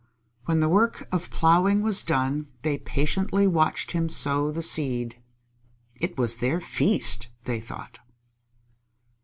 When the work of plowing was done, they patiently watched him sow the seed. It was their feast, they thought.